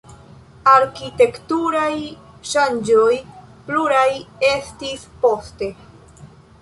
Arkitekturaj ŝanĝoj pluraj estis poste.